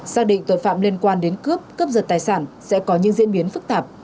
xác định tội phạm liên quan đến cướp cướp giật tài sản sẽ có những diễn biến phức tạp